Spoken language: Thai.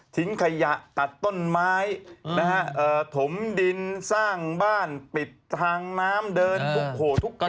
ทิ้งไข่หยะตัดต้นไม้ถมดินสร้างบ้านปิดทางน้ำเดินพกโขทุกอย่าง